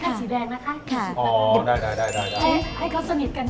ให้นิดนึงครับ